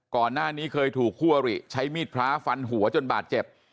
ก่อนหน้านี้เคยถูกคู่อริใช้มีดพระฟันหัวจนบาดเจ็บ